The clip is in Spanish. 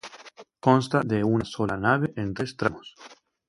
Consta de una sola nave en tres tramos.